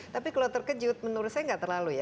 tapi kalau terkejut menurut saya nggak terlalu ya